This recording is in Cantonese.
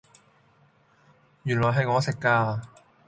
原來係我食㗎